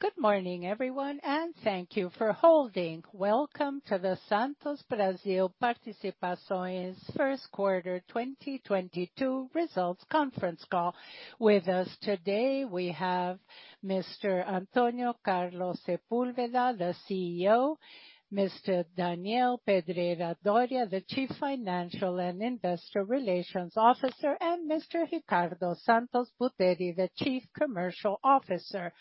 Good morning everyone, and thank you for holding. Welcome to the Santos Brasil Participações First Quarter 2022 Results Conference Call. With us today we have Mr. Antônio Carlos Sepúlveda, the CEO, Mr. Daniel Pedreira Dorea, the Chief Financial and Investor Relations Officer, and Mr. Ricardo dos Santos Buteri, the Chief Commercial Officer.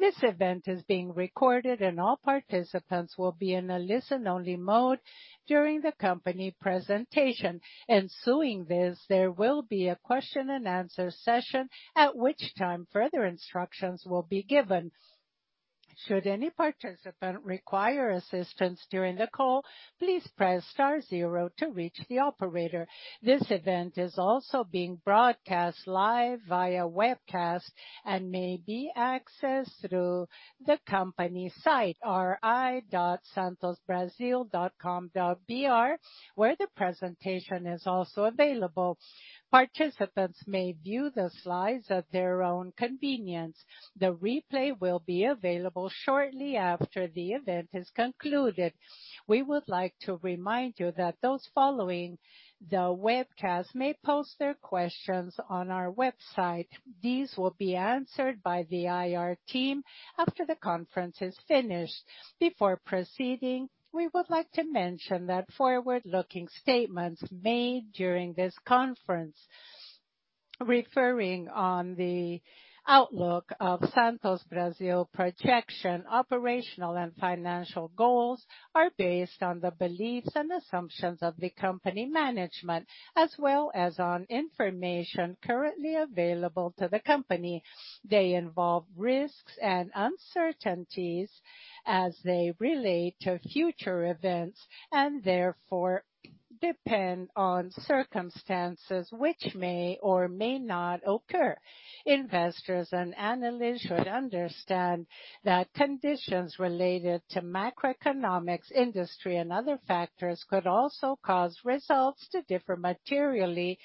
This event is being recorded and all participants will be in a listen-only mode during the company presentation. Ensuing this, there will be a question and answer session, at which time further instructions will be given. Should any participant require assistance during the call, please press star zero to reach the operator. This event is also being broadcast live via webcast and may be accessed through the company site, ri.santosbrasil.com.br, where the presentation is also available. Participants may view the slides at their own convenience. The replay will be available shortly after the event is concluded. We would like to remind you that those following the webcast may post their questions on our website. These will be answered by the IR team after the conference is finished. Before proceeding, we would like to mention that forward-looking statements made during this conference referring to the outlook of Santos Brasil projection, operational and financial goals are based on the beliefs and assumptions of the company management, as well as on information currently available to the company. They involve risks and uncertainties as they relate to future events and therefore depend on circumstances which may or may not occur. Investors and analysts should understand that conditions related to macroeconomics, industry, and other factors could also cause results to differ materially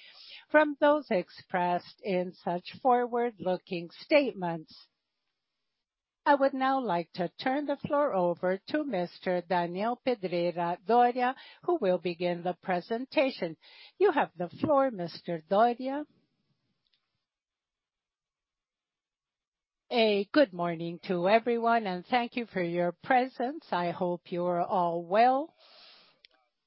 from those expressed in such forward-looking statements. I would now like to turn the floor over to Mr. Daniel Pedreira Dorea, who will begin the presentation. You have the floor, Mr. Dorea. A good morning to everyone and thank you for your presence. I hope you're all well.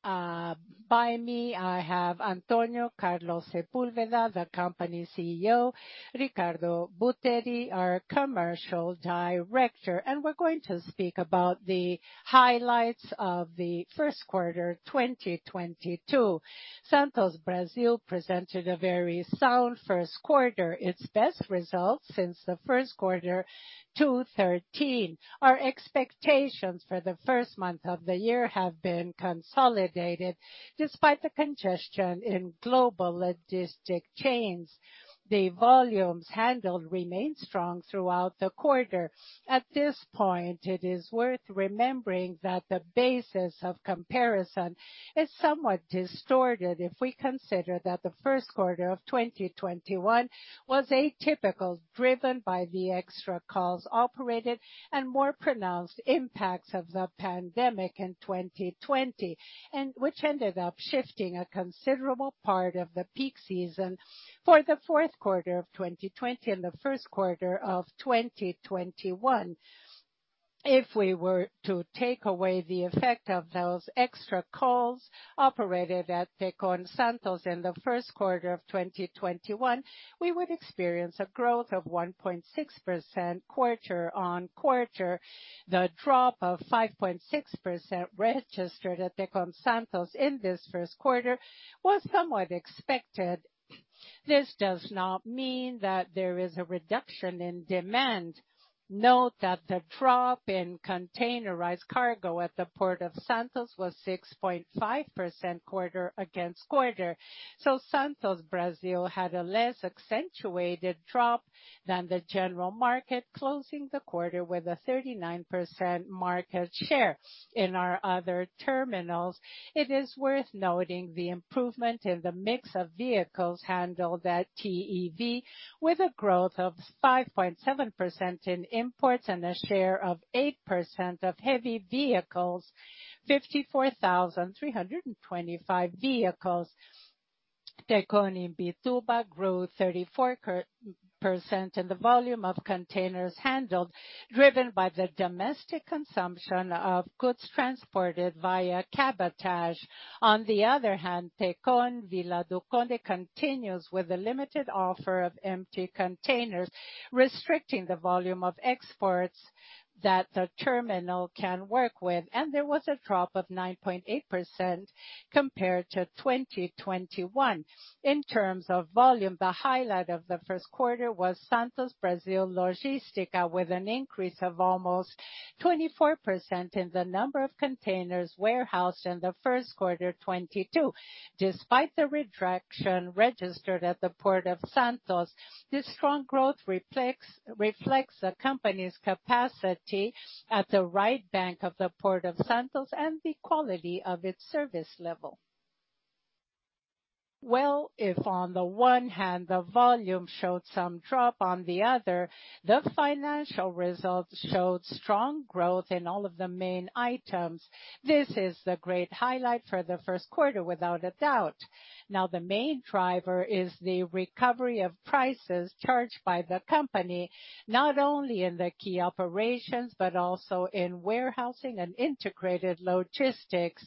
Beside me I have Antônio Carlos Sepúlveda, the company CEO, Ricardo Buteri, our Commercial Director, and we're going to speak about the highlights of the first quarter 2022. Santos Brasil presented a very sound first quarter, its best results since the first quarter 2013. Our expectations for the first month of the year have been consolidated despite the congestion in global logistics chains. The volumes handled remained strong throughout the quarter. At this point, it is worth remembering that the basis of comparison is somewhat distorted if we consider that the first quarter of 2021 was atypical, driven by the extra calls operated and more pronounced impacts of the pandemic in 2020, and which ended up shifting a considerable part of the peak season for the fourth quarter of 2020 and the first quarter of 2021. If we were to take away the effect of those extra calls operated at Tecon Santos in the first quarter of 2021, we would experience a growth of 1.6% quarter-on-quarter. The drop of 5.6% registered at Tecon Santos in this first quarter was somewhat expected. This does not mean that there is a reduction in demand. Note that the drop in containerized cargo at the Port of Santos was 6.5% quarter-over-quarter. Santos Brasil had a less accentuated drop than the general market, closing the quarter with a 39% market share. In our other terminals, it is worth noting the improvement in the mix of vehicles handled at TEV with a growth of 5.7% in imports and a share of 8% of heavy vehicles, 54,325 vehicles. Tecon Imbituba grew 34% in the volume of containers handled, driven by the domestic consumption of goods transported via cabotage. On the other hand, Tecon Vila do Conde continues with a limited offer of empty containers, restricting the volume of exports that the terminal can work with, and there was a drop of 9.8% compared to 2021. In terms of volume, the highlight of the first quarter was Santos Brasil Logística, with an increase of almost 24% in the number of containers warehoused in the first quarter 2022. Despite the contraction registered at the Port of Santos, this strong growth reflects the company's capacity at the right bank of the Port of Santos and the quality of its service level. Well, if on the one hand the volume showed some drop, on the other, the financial results showed strong growth in all of the main items. This is the great highlight for the first quarter, without a doubt. Now the main driver is the recovery of prices charged by the company, not only in the key operations, but also in warehousing and integrated logistics.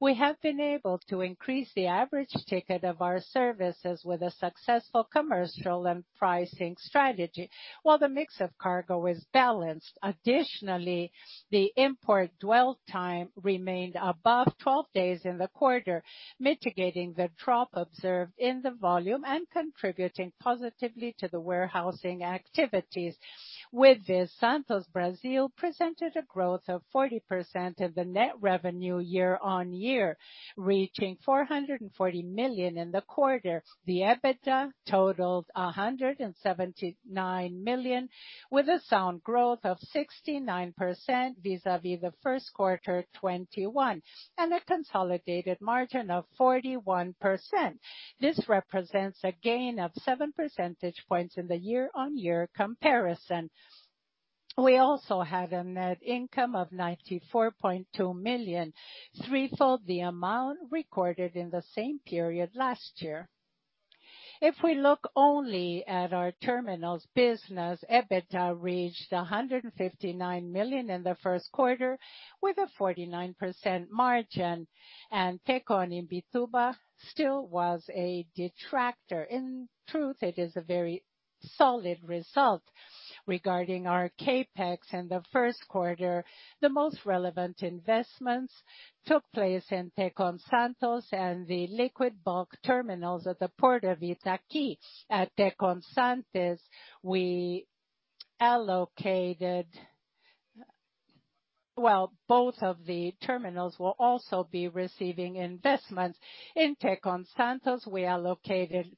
We have been able to increase the average ticket of our services with a successful commercial and pricing strategy while the mix of cargo is balanced. Additionally, the import dwell time remained above 12 days in the quarter, mitigating the drop observed in the volume and contributing positively to the warehousing activities. With this, Santos Brasil presented a growth of 40% in the net revenue year-on-year, reaching 440 million in the quarter. The EBITDA totaled 179 million, with a sound growth of 69% vis-à-vis the first quarter 2021, and a consolidated margin of 41%. This represents a gain of seven percentage points in the year-on-year comparison. We also had a net income of 94.2 million, threefold the amount recorded in the same period last year. If we look only at our terminals business, EBITDA reached 159 million in the first quarter with a 49% margin. Tecon Imbituba still was a detractor. In truth, it is a very solid result. Regarding our CapEx in the first quarter, the most relevant investments took place in Tecon Santos and the liquid bulk terminals at the Port of Itaqui. Well, both of the terminals will also be receiving investments. In Tecon Santos, we allocated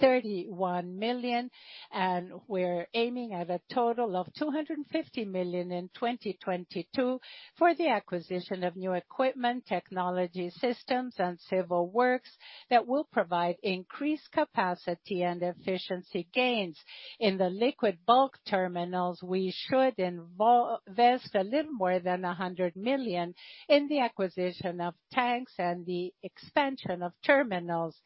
31 million, and we're aiming at a total of 250 million in 2022 for the acquisition of new equipment, technology systems, and civil works that will provide increased capacity and efficiency gains. In the liquid bulk terminals, we should invest a little more than 100 million in the acquisition of tanks and the expansion of terminals.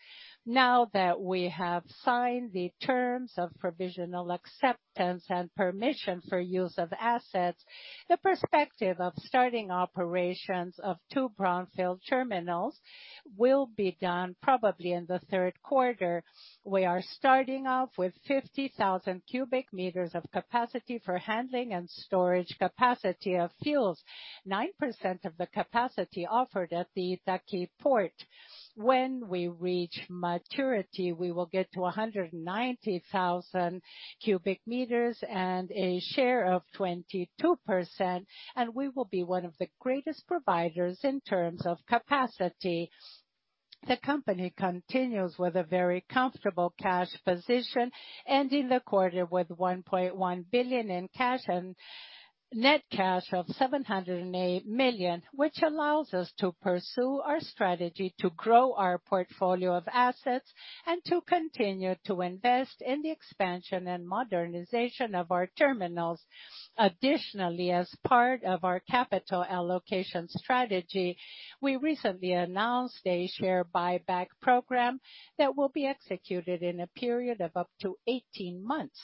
Now that we have signed the terms of provisional acceptance and permission for use of assets, the perspective of starting operations of two brownfield terminals will be done probably in the third quarter. We are starting off with 50,000 cu m of capacity for handling and storage capacity of fuels, 9% of the capacity offered at the Itaqui port. When we reach maturity, we will get to 190,000 cu m and a share of 22%, and we will be one of the greatest providers in terms of capacity. The company continues with a very comfortable cash position, ending the quarter with 1.1 billion in cash and net cash of 708 million, which allows us to pursue our strategy to grow our portfolio of assets and to continue to invest in the expansion and modernization of our terminals. Additionally, as part of our capital allocation strategy, we recently announced a share buyback program that will be executed in a period of up to 18 months.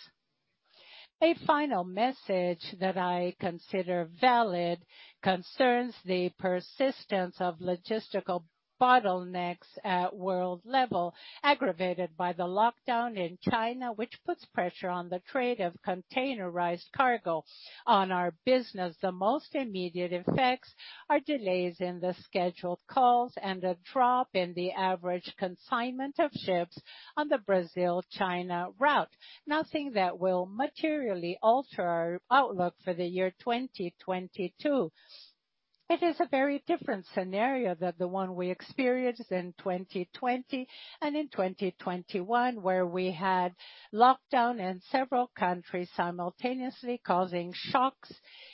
A final message that I consider valid concerns the persistence of logistical bottlenecks at world level, aggravated by the lockdown in China, which puts pressure on the trade of containerized cargo. On our business, the most immediate effects are delays in the scheduled calls and a drop in the average consignment of ships on the Brazil-China route. Nothing that will materially alter our outlook for the year 2022. It is a very different scenario than the one we experienced in 2020 and in 2021, where we had lockdown in several countries simultaneously, causing shocks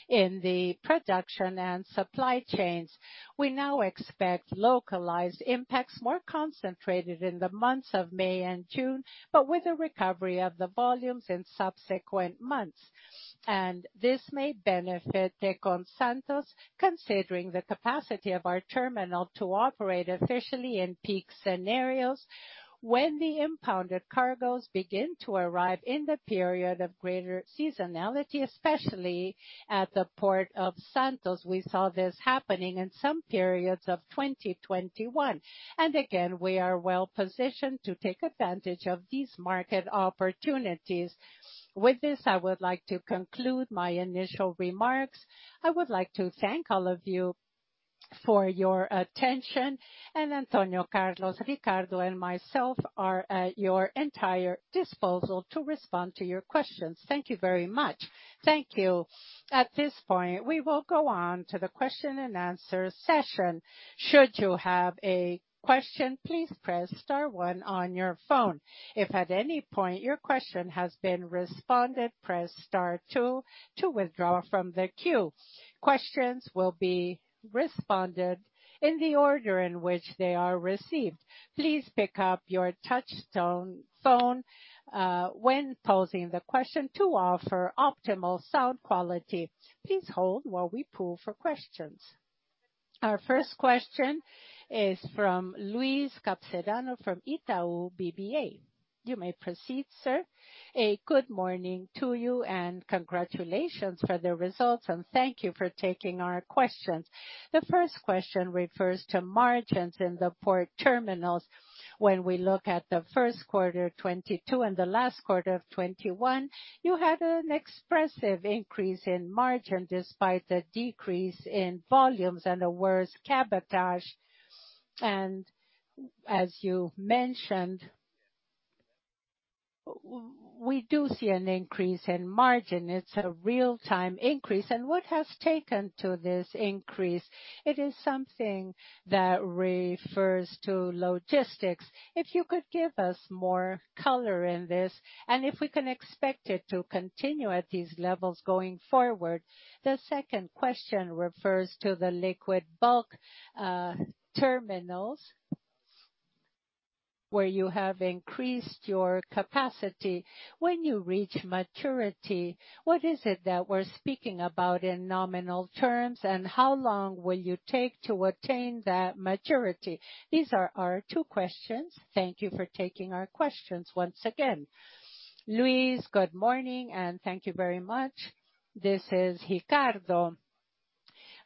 in the production and supply chains. We now expect localized impacts more concentrated in the months of May and June, but with a recovery of the volumes in subsequent months. This may benefit Tecon Santos, considering the capacity of our terminal to operate efficiently in peak scenarios when the impounded cargoes begin to arrive in the period of greater seasonality, especially at the Port of Santos. We saw this happening in some periods of 2021. Again, we are well positioned to take advantage of these market opportunities. With this, I would like to conclude my initial remarks. I would like to thank all of you for your attention. Antônio, Carlos, Ricardo, and myself are at your entire disposal to respond to your questions. Thank you very much. Thank you. At this point, we will go on to the question and answer session. Should you have a question, please press star one on your phone. If at any point your question has been responded, press star two to withdraw from the queue. Questions will be responded in the order in which they are received. Please pick up your touch tone phone when posing the question to offer optimal sound quality. Please hold while we poll for questions. Our first question is from Luiz Capistrano from Itaú BBA. You may proceed, sir. Good morning to you, and congratulations for the results, and thank you for taking our questions. The first question refers to margins in the port terminals. When we look at the first quarter 2022 and the last quarter of 2021, you had an expressive increase in margin despite the decrease in volumes and a worse cabotage. As you mentioned, we do see an increase in margin. It's a real-time increase. What has taken to this increase? It is something that refers to logistics. If you could give us more color in this, and if we can expect it to continue at these levels going forward. The second question refers to the liquid bulk terminals, where you have increased your capacity. When you reach maturity, what is it that we're speaking about in nominal terms, and how long will you take to attain that maturity? These are our two questions. Thank you for taking our questions once again. Luiz, good morning, and thank you very much. This is Ricardo.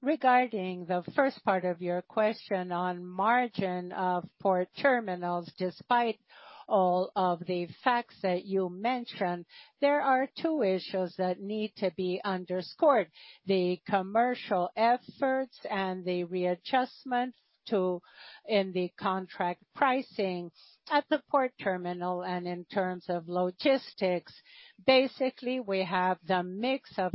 Regarding the first part of your question on margin of port terminals, despite all of the facts that you mentioned, there are two issues that need to be underscored: the commercial efforts and the readjustment in the contract pricing at the port terminal and in terms of logistics. Basically, we have the mix of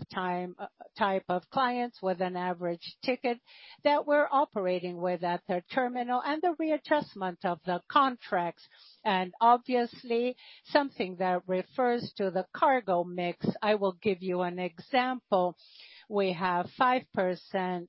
type of clients with an average ticket that we're operating with at the terminal and the readjustment of the contracts, and obviously something that refers to the cargo mix. I will give you an example. We have 5%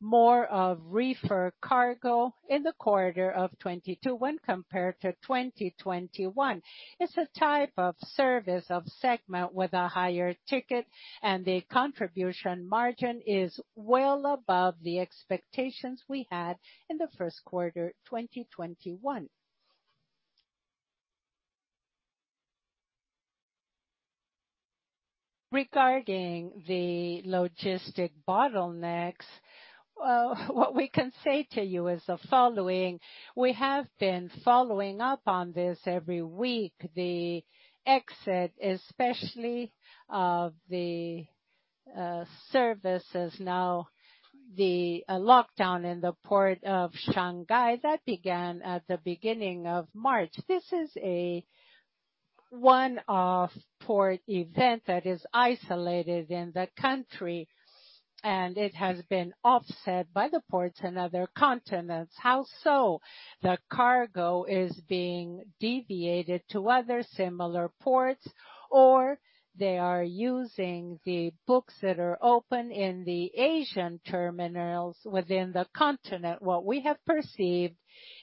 more of reefer cargo in the quarter of 2022 when compared to 2021. It's a type of service of segment with a higher ticket, and the contribution margin is well above the expectations we had in the first quarter 2021. Regarding the logistic bottlenecks, what we can say to you is the following. We have been following up on this every week, the exit especially of the services now, the lockdown in the port of Shanghai that began at the beginning of March. This is a one-off port event that is isolated in the country, and it has been offset by the ports in other continents. How so? The cargo is being deviated to other similar ports, or they are using the books that are open in the Asian terminals within the continent. What we have perceived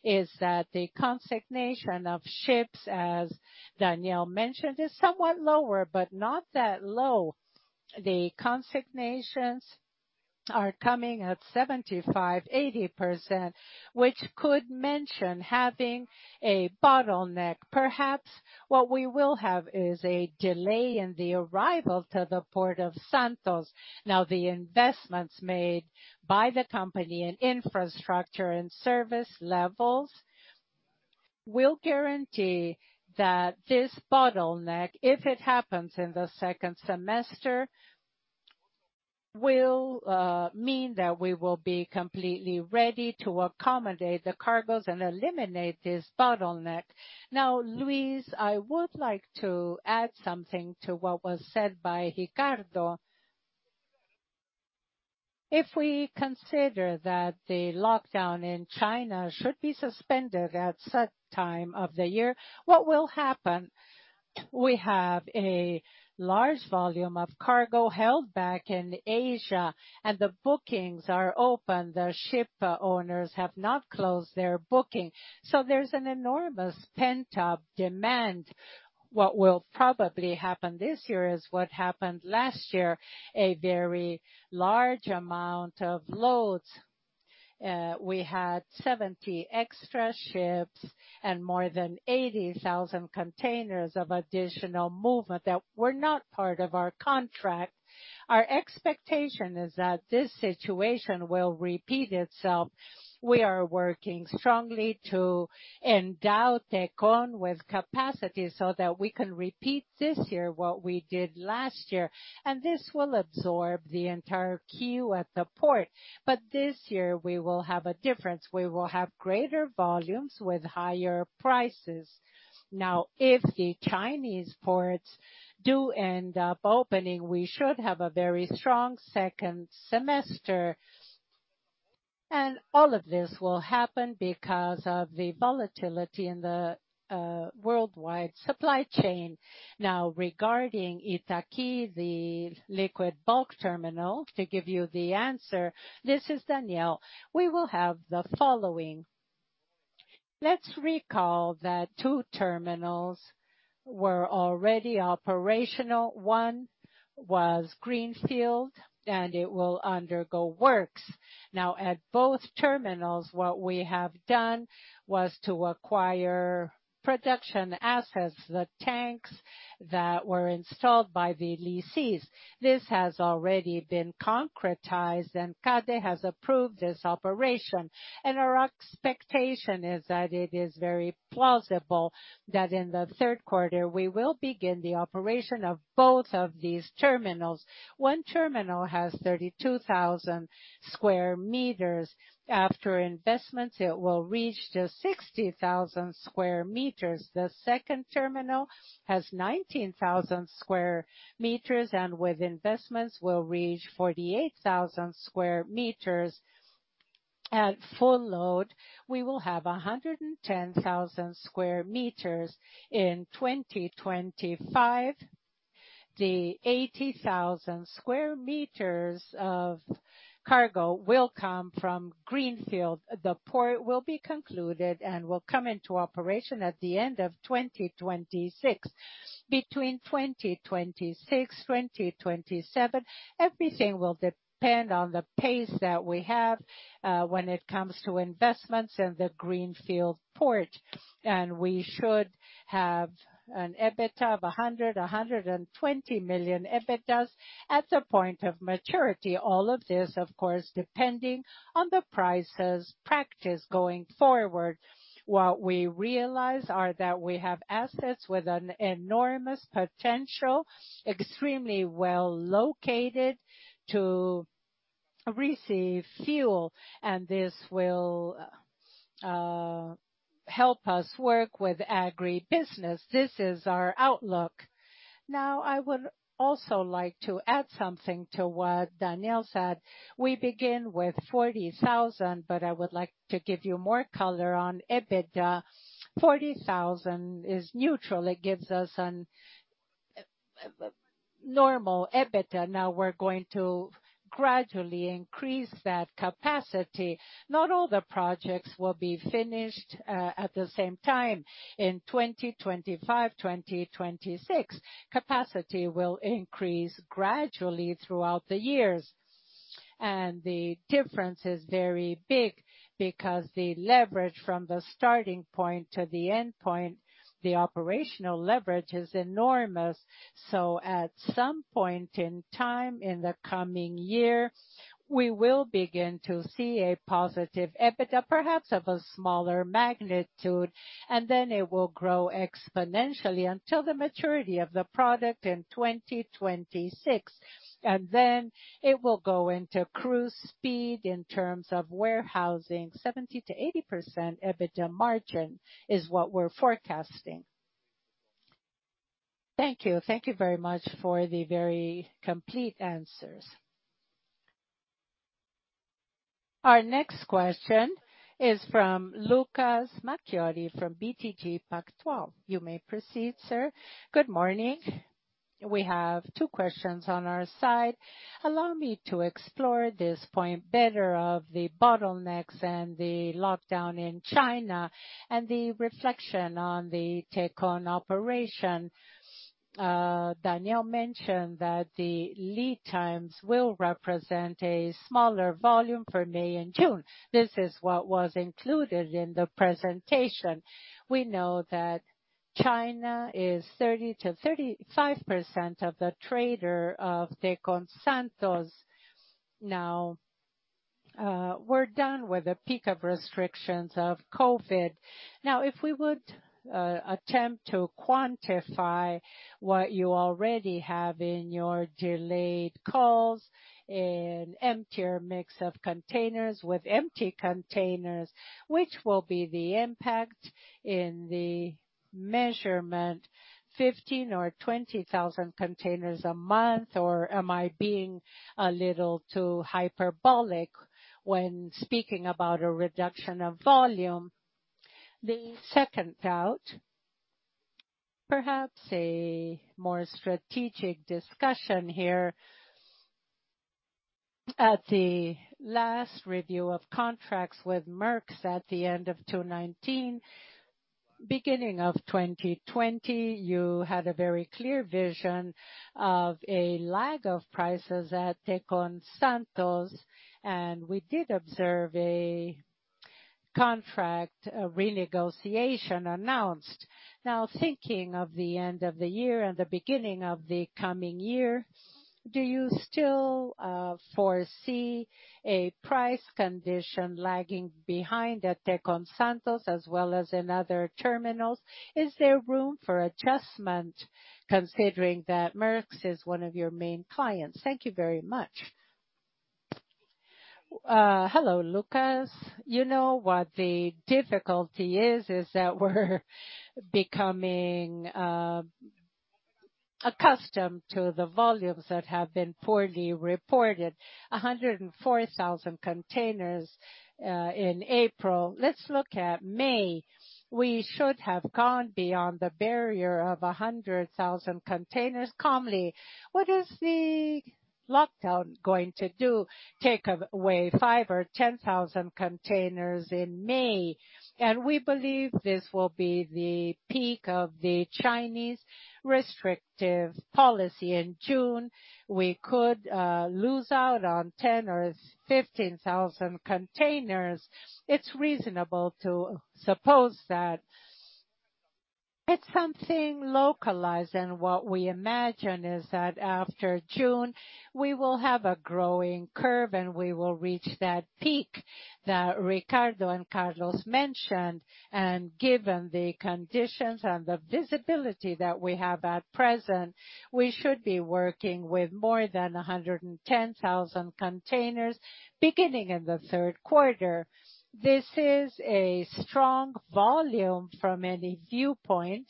is that the consignment of ships, as Daniel mentioned, is somewhat lower but not that low. The consignments are coming at 75%-80%, which could mean having a bottleneck. Perhaps what we will have is a delay in the arrival to the Port of Santos. Now, the investments made by the company in infrastructure and service levels will guarantee that this bottleneck, if it happens in the second semester, will mean that we will be completely ready to accommodate the cargos and eliminate this bottleneck. Now, Luiz, I would like to add something to what was said by Ricardo. If we consider that the lockdown in China should be suspended at set time of the year, what will happen? We have a large volume of cargo held back in Asia, and the bookings are open. The ship owners have not closed their booking. So there's an enormous pent-up demand. What will probably happen this year is what happened last year, a very large amount of loads. We had 70 extra ships and more than 80,000 containers of additional movement that were not part of our contract. Our expectation is that this situation will repeat itself. We are working strongly to endow Tecon with capacity so that we can repeat this year what we did last year, and this will absorb the entire queue at the port. This year we will have a difference. We will have greater volumes with higher prices. Now, if the Chinese ports do end up opening, we should have a very strong second semester. All of this will happen because of the volatility in the worldwide supply chain. Now, regarding Itaqui, the liquid bulk terminal, to give you the answer, this is Daniel. We will have the following. Let's recall that two terminals were already operational. One was greenfield, and it will undergo works. Now, at both terminals, what we have done was to acquire production assets, the tanks that were installed by the lessees. This has already been concretized, and CADE has approved this operation. Our expectation is that it is very plausible that in the third quarter, we will begin the operation of both of these terminals. One terminal has 32,000 sq m. After investments, it will reach to 60,000 sq m. The second terminal has 19,000 sq m, and with investments will reach 48,000 sq m. At full load, we will have 110,000 sq m in 2025. The 80,000 sq m of cargo will come from greenfield. The port will be concluded and will come into operation at the end of 2026. Between 2026-2027, everything will depend on the pace that we have, when it comes to investments in the greenfield port. We should have an EBITDA of 100 million-120 million at the point of maturity. All of this, of course, depending on the prices practiced going forward. What we realize are that we have assets with an enormous potential, extremely well-located to receive fuel, and this will help us work with agribusiness. This is our outlook. Now, I would also like to add something to what Daniel said. We begin with 40,000, but I would like to give you more color on EBITDA. 40,000 is neutral. It gives us a normal EBITDA. Now we're going to gradually increase that capacity. Not all the projects will be finished at the same time. In 2025-2026, capacity will increase gradually throughout the years. The difference is very big because the leverage from the starting point to the end point, the operational leverage is enormous. At some point in time in the coming year, we will begin to see a positive EBITDA, perhaps of a smaller magnitude, and then it will grow exponentially until the maturity of the product in 2026. It will go into cruise speed in terms of warehousing. 70%-80% EBITDA margin is what we're forecasting. Thank you. Thank you very much for the very complete answers. Our next question is from Lucas Marquiori from BTG Pactual. You may proceed, sir. Good morning. We have two questions on our side. Allow me to explore this point better of the bottlenecks and the lockdown in China and the reflection on the Tecon operation. Daniel mentioned that the lead times will represent a smaller volume for May and June. This is what was included in the presentation. We know that China is 30%-35% of the trade of Tecon Santos. Now, we're done with the peak of restrictions of COVID. Now, if we would attempt to quantify what you already have in your earlier calls, an emptier mix of containers with empty containers, which will be the impact in the measurement, 15,000 or 20,000 containers a month, or am I being a little too hyperbolic when speaking about a reduction of volume? The second thought, perhaps a more strategic discussion here. At the last review of contracts with Maersk at the end of 2019, beginning of 2020, you had a very clear vision of a lag of prices at Tecon Santos, and we did observe a contract renegotiation announced. Now, thinking of the end of the year and the beginning of the coming year, do you still foresee a price condition lagging behind at Tecon Santos as well as in other terminals? Is there room for adjustment considering that Maersk is one of your main clients? Thank you very much. Hello, Lucas. You know what the difficulty is that we're becoming accustomed to the volumes that have been poorly reported. 104,000 containers in April. Let's look at May. We should have gone beyond the barrier of 100,000 containers calmly. What is the lockdown going to do? Take away 5,000 or 10,000 containers in May, and we believe this will be the peak of the Chinese restrictive policy in June. We could lose out on 10,000 or 15,000 containers. It's reasonable to suppose that it's something localized, and what we imagine is that after June, we will have a growing curve, and we will reach that peak that Ricardo and Carlos mentioned. Given the conditions and the visibility that we have at present, we should be working with more than 110,000 containers beginning in the third quarter. This is a strong volume from any viewpoint,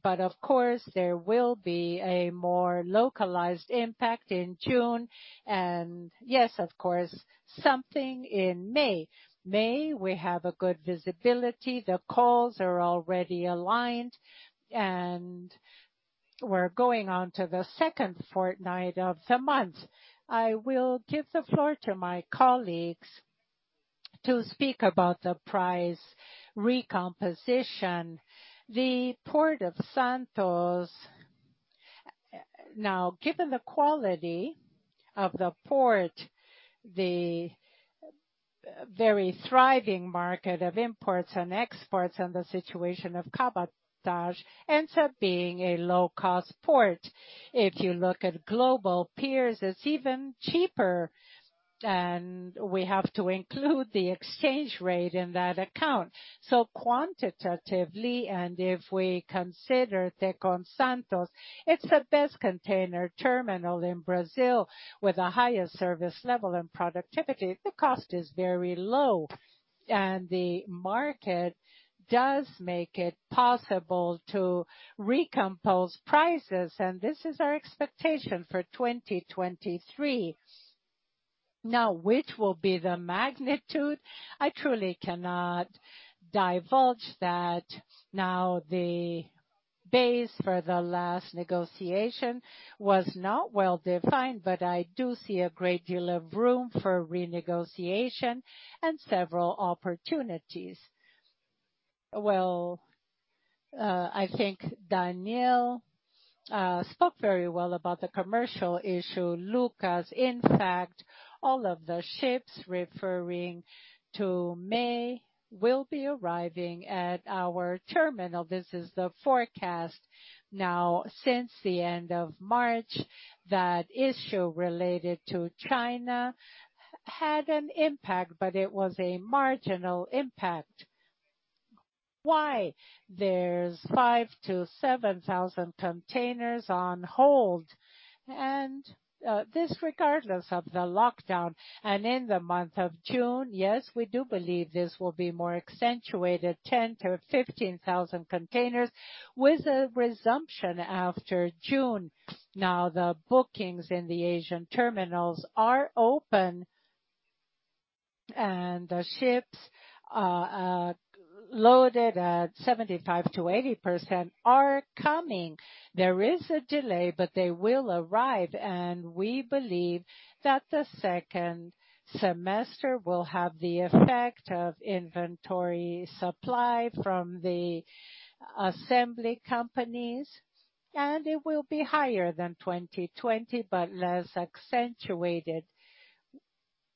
but of course, there will be a more localized impact in June. Yes, of course, something in May. May, we have a good visibility. The calls are already aligned, and we're going on to the second fortnight of the month. I will give the floor to my colleagues to speak about the price recomposition. The Port of Santos. Given the quality of the port, the very thriving market of imports and exports and the situation of cabotage ends up being a low-cost port. If you look at global peers, it's even cheaper, and we have to include the exchange rate in that account. Quantitatively, and if we consider Tecon Santos, it's the best container terminal in Brazil with the highest service level and productivity. The cost is very low, and the market does make it possible to recompose prices, and this is our expectation for 2023. Now, which will be the magnitude? I truly cannot divulge that. Now, the base for the last negotiation was not well-defined, but I do see a great deal of room for renegotiation and several opportunities. Well, I think Daniel spoke very well about the commercial issue. Lucas, in fact, all of the ships referring to May will be arriving at our terminal. This is the forecast. Now, since the end of March, that issue related to China had an impact, but it was a marginal impact. Why? There's 5,000-7,000 containers on hold, and this regardless of the lockdown. In the month of June, yes, we do believe this will be more accentuated, 10,000-15,000 containers with a resumption after June. Now, the bookings in the Asian terminals are open, and the ships loaded at 75%-80% are coming. There is a delay, but they will arrive, and we believe that the second semester will have the effect of inventory supply from the assembly companies, and it will be higher than 2020, but less accentuated.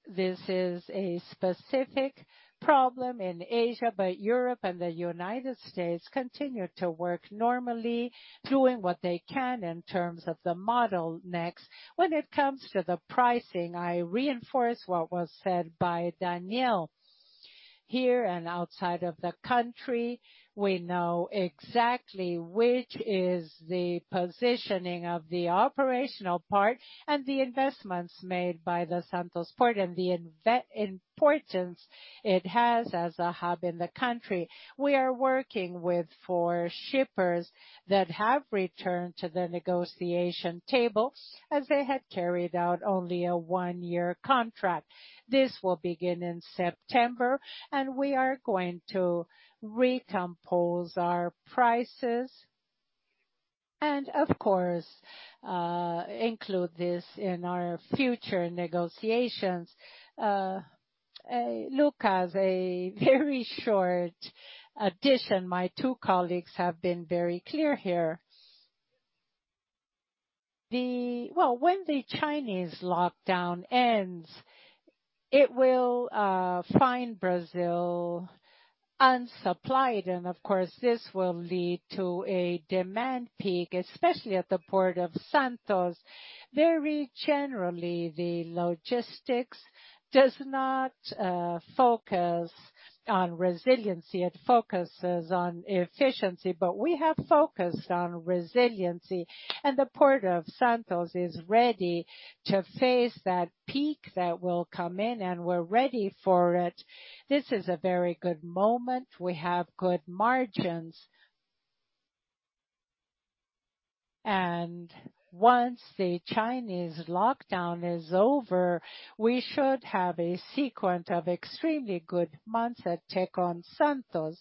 This is a specific problem in Asia, but Europe and the United States continue to work normally, doing what they can in terms of the model next. When it comes to the pricing, I reinforce what was said by Daniel. Here and outside of the country, we know exactly which is the positioning of the operational part and the investments made by the Santos Port and the importance it has as a hub in the country. We are working with four shippers that have returned to the negotiation table, as they had carried out only a one-year contract. This will begin in September, and we are going to recompose our prices, and of course, include this in our future negotiations. Lucas, a very short addition. My two colleagues have been very clear here. The Well, when the Chinese lockdown ends, it will find Brazil unsupplied, and of course, this will lead to a demand peak, especially at the Port of Santos. Very generally, the logistics does not focus on resiliency. It focuses on efficiency. We have focused on resiliency, and the Port of Santos is ready to face that peak that will come in, and we're ready for it. This is a very good moment. We have good margins. Once the Chinese lockdown is over, we should have a sequence of extremely good months at Tecon Santos.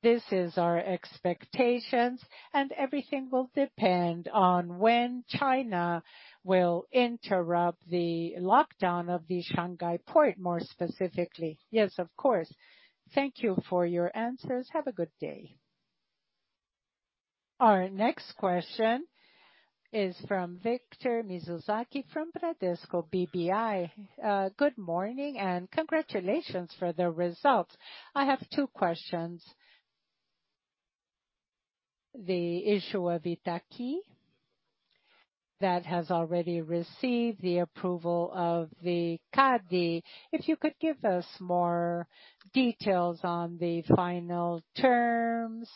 This is our expectations, and everything will depend on when China will interrupt the lockdown of the Shanghai Port, more specifically. Yes, of course. Thank you for your answers. Have a good day. Our next question is from Victor Mizusaki from Bradesco BBI. Good morning and congratulations for the results. I have two questions. The issue of Itaqui that has already received the approval of the CADE. If you could give us more details on the final terms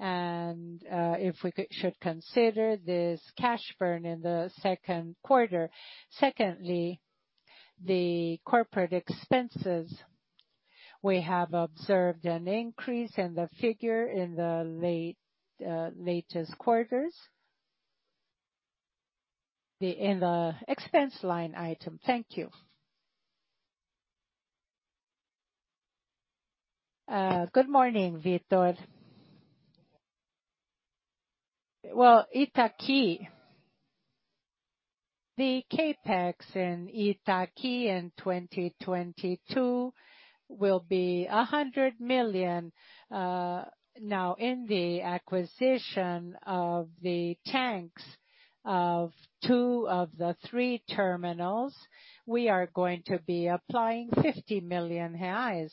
and, if we should consider this cash burn in the second quarter. Secondly, the corporate expenses. We have observed an increase in the figure in the latest quarters. In the expense line item. Thank you. Good morning, Victor. Well, Itaqui. The CapEx in Itaqui in 2022 will be 100 million. Now, in the acquisition of the tanks of two of the three terminals, we are going to be applying 50 million reais.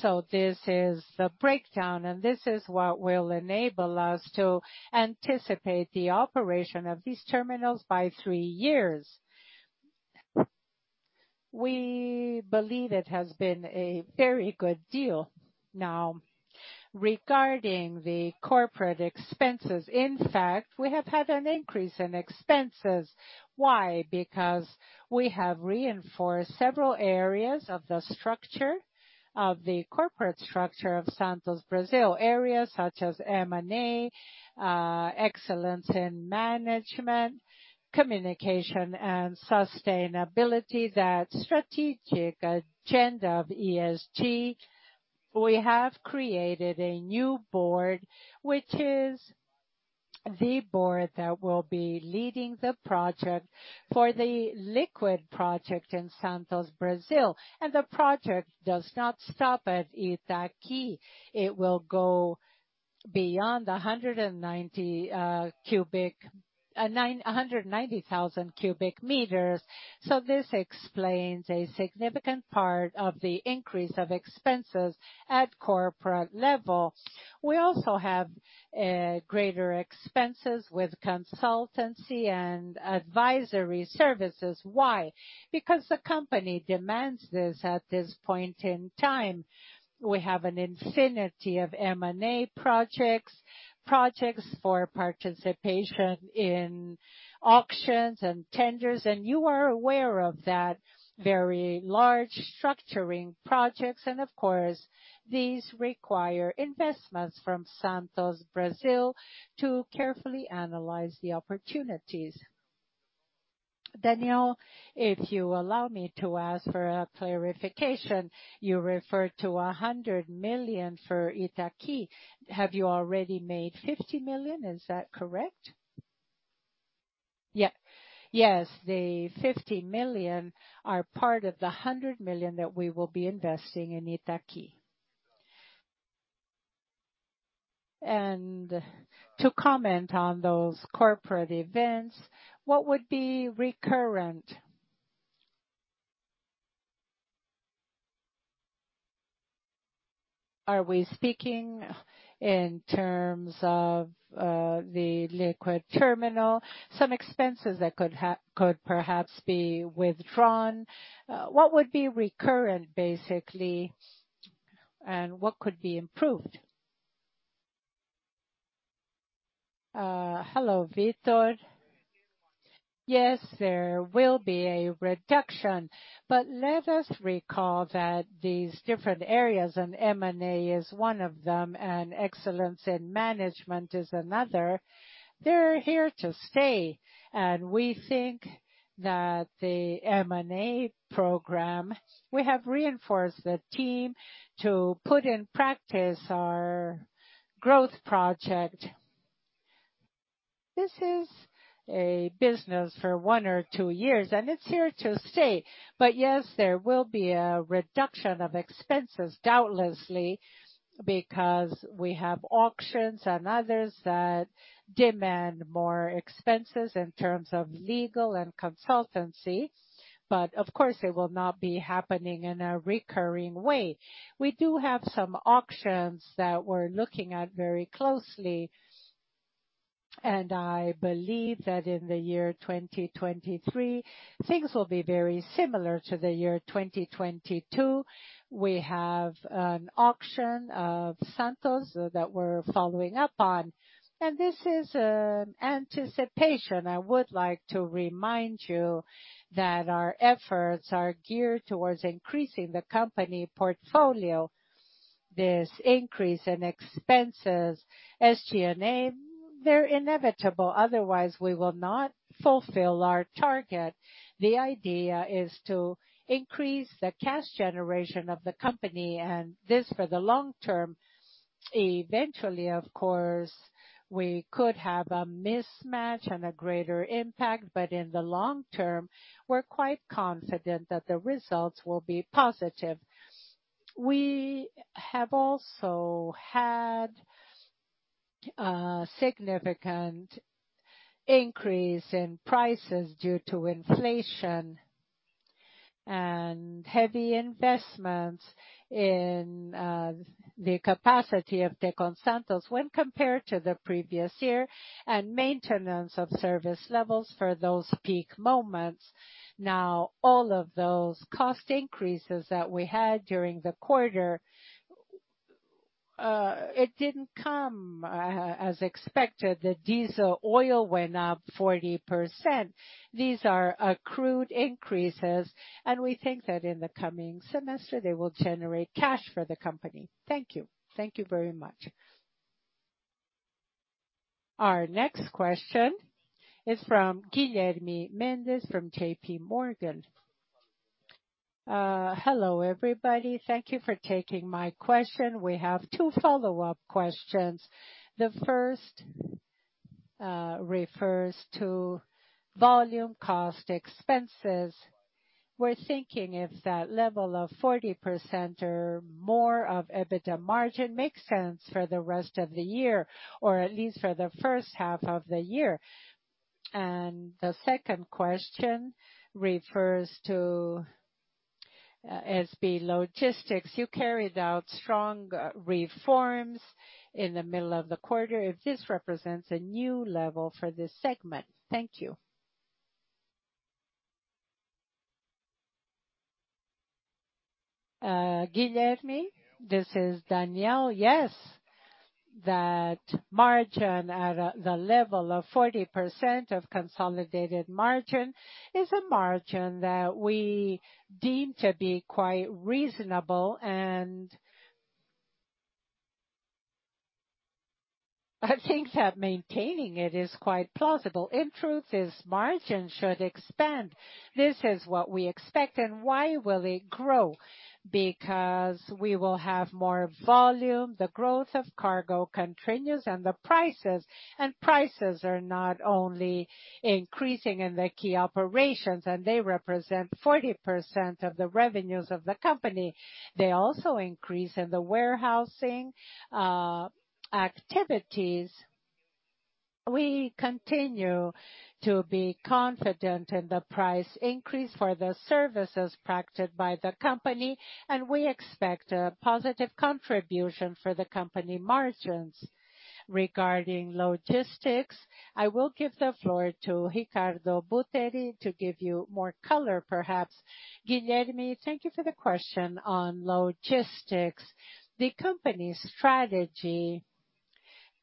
So this is the breakdown, and this is what will enable us to anticipate the operation of these terminals by three years. We believe it has been a very good deal. Now, regarding the corporate expenses, in fact, we have had an increase in expenses. Why? Because we have reinforced several areas of the structure, of the corporate structure of Santos Brasil. Areas such as M&A, excellence in management, communication and sustainability. That strategic agenda of ESG. We have created a new board, which is the board that will be leading the project for the liquid project in Santos, Brazil. The project does not stop at Itaqui. It will go beyond 190,000 cu m. This explains a significant part of the increase of expenses at corporate level. We also have greater expenses with consultancy and advisory services. Why? Because the company demands this at this point in time. We have an infinity of M&A projects for participation in auctions and tenders, and you are aware of that very large structuring projects. Of course, these require investments from Santos Brasil to carefully analyze the opportunities. Daniel, if you allow me to ask for a clarification. You referred to 100 million for Itaqui. Have you already made 50 million? Is that correct? Yeah. Yes, the 50 million are part of the 100 million that we will be investing in Itaqui. To comment on those corporate events, what would be recurrent? Are we speaking in terms of the liquid terminal? Some expenses that could perhaps be withdrawn. What would be recurrent, basically, and what could be improved? Hello, Victor. Yes, there will be a reduction. Let us recall that these different areas, and M&A is one of them, and excellence in management is another. They're here to stay. We think that the M&A program, we have reinforced the team to put in practice our growth project. This is a business for one or two years, and it's here to stay. Yes, there will be a reduction of expenses, doubtlessly, because we have auctions and others that demand more expenses in terms of legal and consultancy. Of course, it will not be happening in a recurring way. We do have some auctions that we're looking at very closely, and I believe that in the year 2023, things will be very similar to the year 2022. We have an auction of Santos that we're following up on, and this is an anticipation. I would like to remind you that our efforts are geared towards increasing the company portfolio. This increase in expenses, SG&A, they're inevitable, otherwise we will not fulfill our target. The idea is to increase the cash generation of the company and this for the long term. Eventually, of course, we could have a mismatch and a greater impact, but in the long term, we're quite confident that the results will be positive. We have also had significant increase in prices due to inflation and heavy investments in the capacity of Tecon Santos when compared to the previous year, and maintenance of service levels for those peak moments. Now, all of those cost increases that we had during the quarter, it didn't come as expected. The diesel oil went up 40%. These are accrued increases, and we think that in the coming semester, they will generate cash for the company. Thank you. Thank you very much. Our next question is from Guilherme Mendes from J.P. Morgan. Hello, everybody. Thank you for taking my question. We have two follow-up questions. The first refers to volume cost expenses. We're thinking if that level of 40% or more of EBITDA margin makes sense for the rest of the year, or at least for the first half of the year. The second question refers to on the logistics. You carried out strong results in the middle of the quarter, if this represents a new level for this segment. Thank you. Guilherme, this is Daniel. Yes, that margin at the level of 40% of consolidated margin is a margin that we deem to be quite reasonable, and I think that maintaining it is quite plausible. In truth, this margin should expand. This is what we expect. Why will it grow? Because we will have more volume, the growth of cargo continues, and the prices. Prices are not only increasing in the quay operations, and they represent 40% of the revenues of the company. They also increase in the warehousing, activities. We continue to be confident in the price increase for the services practiced by the company, and we expect a positive contribution for the company margins. Regarding logistics, I will give the floor to Ricardo Buteri to give you more color, perhaps. Guilherme, thank you for the question on logistics. The company's strategy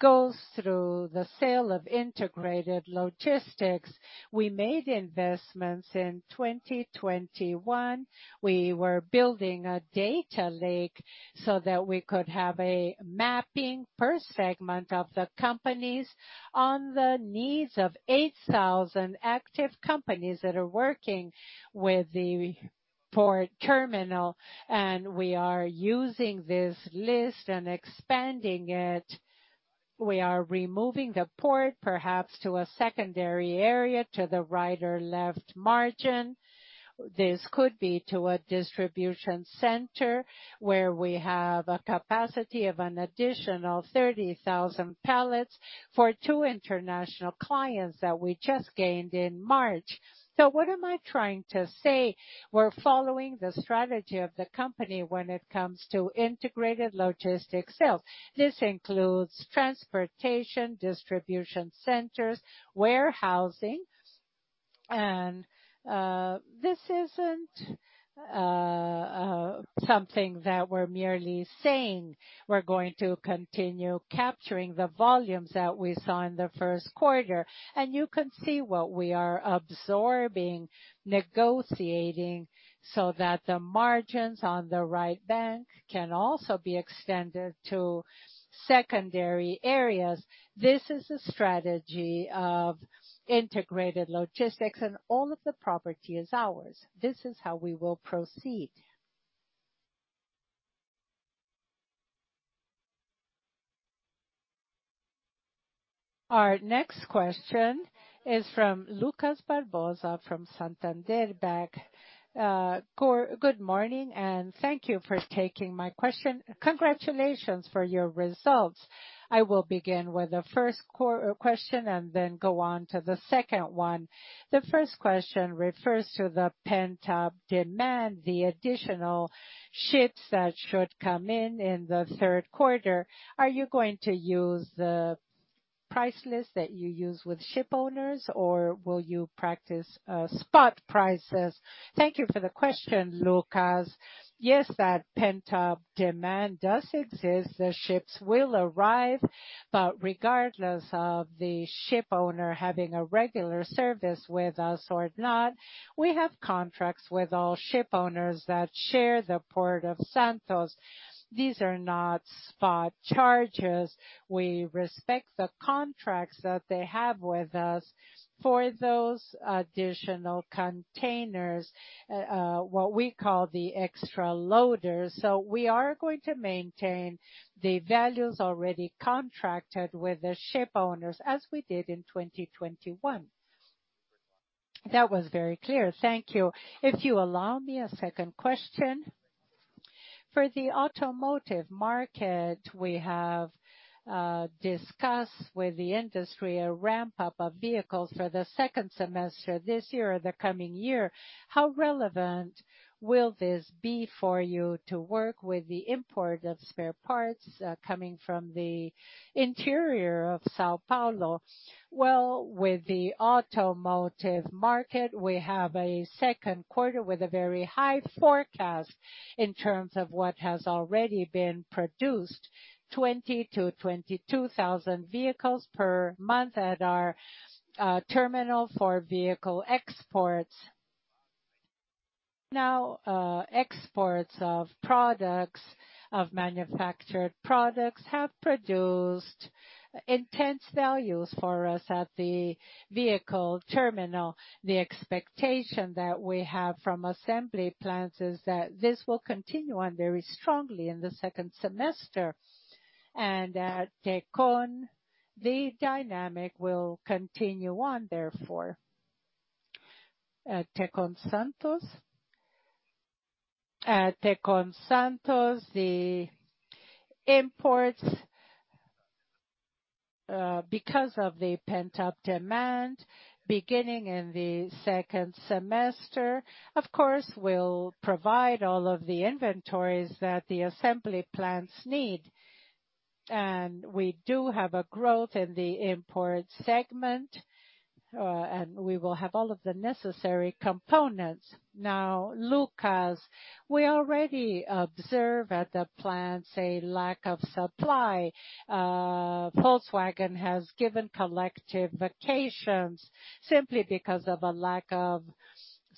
goes through the sale of integrated logistics. We made investments in 2021. We were building a data lake so that we could have a mapping per segment of the companies on the needs of 8,000 active companies that are working with the port terminal, and we are using this list and expanding it. We are removing the port, perhaps to a secondary area to the right or left margin. This could be to a distribution center where we have a capacity of an additional 30,000 pallets for two international clients that we just gained in March. What am I trying to say? We're following the strategy of the company when it comes to integrated logistics sales. This includes transportation, distribution centers, warehousing. This isn't something that we're merely saying. We're going to continue capturing the volumes that we saw in the first quarter. You can see what we are absorbing, negotiating, so that the margins on the right bank can also be extended to secondary areas. This is a strategy of integrated logistics, and all of the property is ours. This is how we will proceed. Our next question is from Lucas Barbosa from Santander. Good morning, and thank you for taking my question. Congratulations for your results. I will begin with the first question and then go on to the second one. The first question refers to the pent-up demand, the additional ships that should come in in the third quarter. Are you going to use the price list that you use with ship owners or will you practice spot prices? Thank you for the question, Lucas. Yes, that pent-up demand does exist. The ships will arrive. Regardless of the ship owner having a regular service with us or not, we have contracts with all ship owners that share the Port of Santos. These are not spot charges. We respect the contracts that they have with us for those additional containers, what we call the extra loaders. We are going to maintain the values already contracted with the ship owners as we did in 2021. That was very clear. Thank you. If you allow me a second question. For the automotive market, we have discussed with the industry a ramp-up of vehicles for the second semester this year or the coming year. How relevant will this be for you to work with the import of spare parts, coming from the interior of São Paulo? Well, with the automotive market, we have a second quarter with a very high forecast in terms of what has already been produced, 20,000-22,000 vehicles per month at our terminal for vehicle exports. Now, exports of products, of manufactured products have produced intense volumes for us at the vehicle terminal. The expectation that we have from assembly plants is that this will continue on very strongly in the second semester. At Tecon, the dynamic will continue on, therefore. Tecon Santos. At Tecon Santos, the imports, because of the pent-up demand beginning in the second semester, of course, will provide all of the inventories that the assembly plants need. We do have a growth in the import segment, and we will have all of the necessary components. Now, Lucas, we already observe at the plants a lack of supply. Volkswagen has given collective vacations simply because of a lack of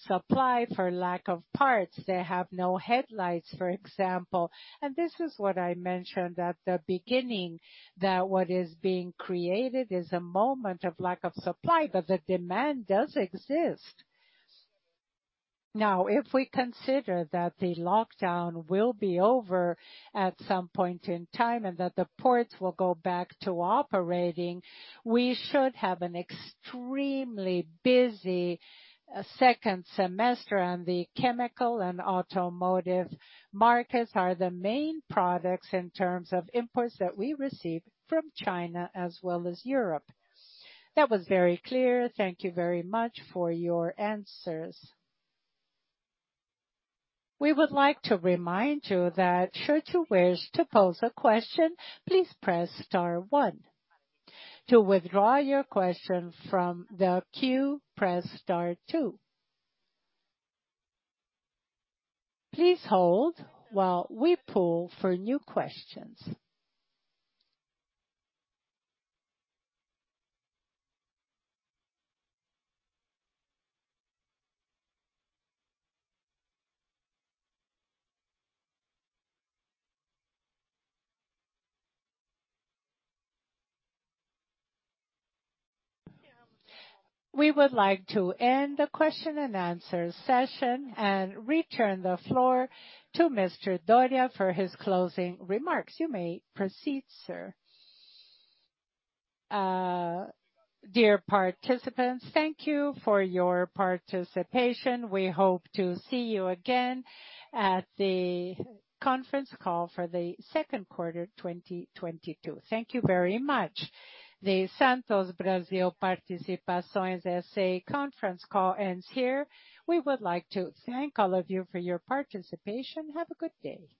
supply for lack of parts. They have no headlights, for example. This is what I mentioned at the beginning, that what is being created is a moment of lack of supply, but the demand does exist. Now, if we consider that the lockdown will be over at some point in time and that the ports will go back to operating, we should have an extremely busy second semester. The chemical and automotive markets are the main products in terms of imports that we receive from China as well as Europe. That was very clear. Thank you very much for your answers. We would like to remind you that should you wish to pose a question, please press star one. To withdraw your question from the queue, press star two. Please hold while we poll for new questions. We would like to end the question and answer session and return the floor to Mr. Dorea for his closing remarks. You may proceed, sir. Dear participants, thank you for your participation. We hope to see you again at the conference call for the second quarter 2022. Thank you very much. The Santos Brasil Participações S.A. conference call ends here. We would like to thank all of you for your participation. Have a good day.